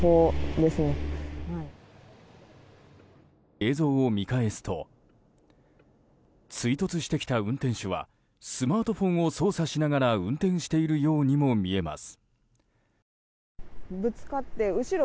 映像を見返すと追突してきた運転手はスマートフォンを操作しながら運転しているようにも見えます。